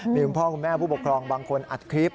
มีคุณพ่อคุณแม่ผู้ปกครองบางคนอัดคลิป